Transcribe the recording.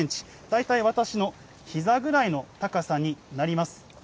大体、私のひざぐらいの高さになります。